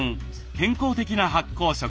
健康的な発酵食。